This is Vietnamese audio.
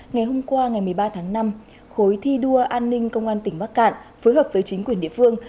ngày hôm qua ngày một mươi ba tháng năm khối thi đua an ninh công an tỉnh bắc cạn phối hợp với chính quyền địa phương